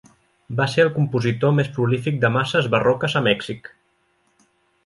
Va ser el compositor més prolífic de masses barroques a Mèxic.